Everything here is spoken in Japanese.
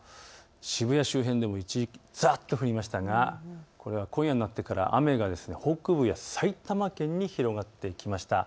渋谷周辺でも一時、ざっと降りましたが今夜になってから雨が北部や埼玉県に広がってきました。